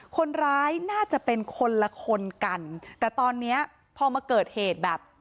คนร้ายน่าจะเป็นคนละคนกันแต่ตอนเนี้ยพอมาเกิดเหตุแบบ